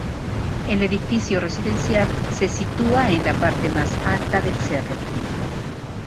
El edificio residencial se sitúa en la parte más alta del cerro.